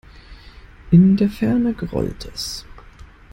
In der Ferne grollte es.